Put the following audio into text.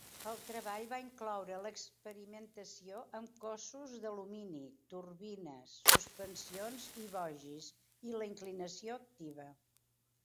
El treball va incloure l'experimentació amb cossos d'alumini, turbines, suspensions i bogis, i la inclinació activa.